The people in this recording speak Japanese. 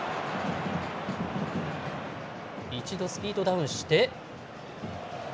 一度スピードダウンして。